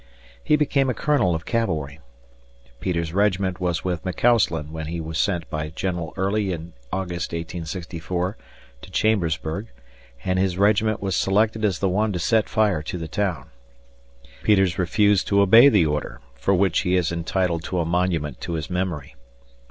He became a colonel of cavalry. Peters's regiment was with McCausland when he was sent by General Early in August, 1864, to Chambersburg, and his regiment was selected as the one to set fire to the town. Peters refused to obey the order, for which he is entitled to a monument to his memory.